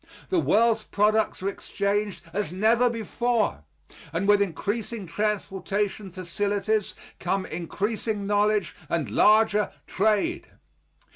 The world's products are exchanged as never before and with increasing transportation facilities come increasing knowledge and larger trade.